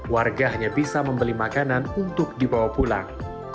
warga hanya bisa membeli makanan untuk dibawa pulang